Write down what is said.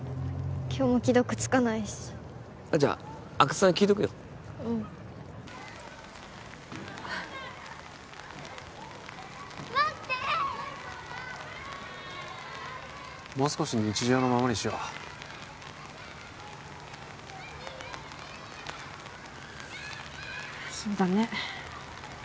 今日も既読つかないしあっじゃ阿久津さんに聞いとくようん待ってもう少し日常のままにしようそうだね